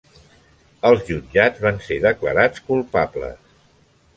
Els jutjats van ser declarats culpables.